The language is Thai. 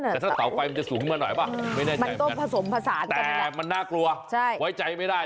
แต่ถ้าเสาไฟมันจะสูงมาหน่อยป่ะไม่แน่ใจแต่มันน่ากลัวไว้ใจไม่ได้